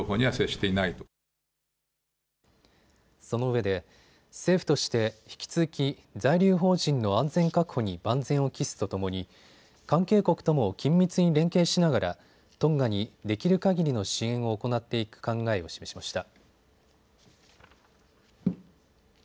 そのうえで政府として引き続き在留邦人の安全確保に万全を期すとともに関係国とも緊密に連携しながらトンガにできるかぎりの支援を行っていく考えを示しました。